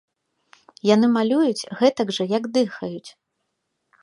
Яны малююць гэтак жа як дыхаюць.